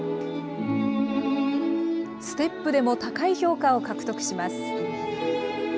ステップでも高い評価を獲得します。